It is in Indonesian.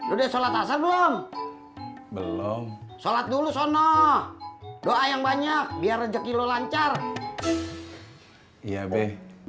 udah sholat asar belum belum sholat dulu sono doa yang banyak biar rezeki lo lancar iya be